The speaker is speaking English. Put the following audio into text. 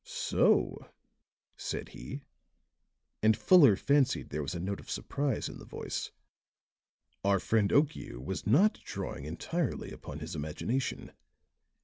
"So," said he, and Fuller fancied there was a note of surprise in the voice, "our friend Okiu was not drawing entirely upon his imagination.